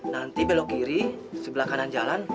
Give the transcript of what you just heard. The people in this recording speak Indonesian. nanti belok kiri sebelah kanan jalan